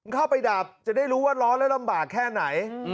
เข้าไปดับจะได้รู้ว่าร้อนแล้วลำบากแค่ไหน